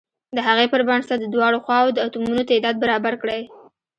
د هغې پر بنسټ د دواړو خواو د اتومونو تعداد برابر کړئ.